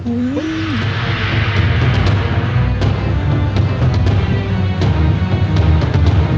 อุ้ย